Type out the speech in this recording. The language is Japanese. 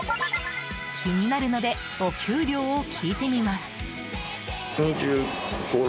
気になるのでお給料を聞いてみます。